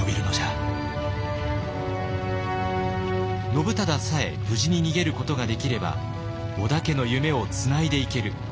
信忠さえ無事に逃げることができれば織田家の夢をつないでいける。